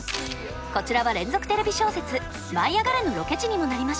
こちらは連続テレビ小説「舞いあがれ！」のロケ地にもなりました。